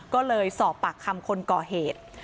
ก็เลยสอบปากคำคนก่อเหตุ